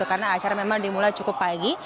karena acara memang dimulai cukup pagi